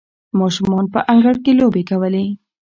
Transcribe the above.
ماشومانو په انګړ کې لوبې کولې.